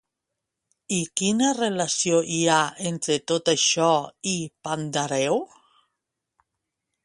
I quina relació hi ha entre tot això i Pandàreu?